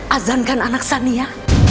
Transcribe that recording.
azankan anak sania